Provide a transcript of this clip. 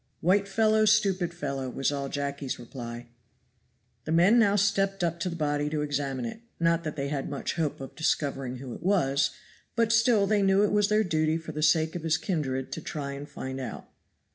"White fellow stupid fellow," was all Jacky's reply. The men now stepped up to the body to examine it; not that they had much hope of discovering who it was, but still they knew it was their duty for the sake of his kindred to try and find out.